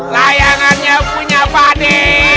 layangannya punya pade